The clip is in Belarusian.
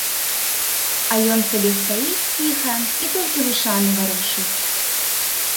А ён сабе стаіць ціха і толькі вушамі варушыць.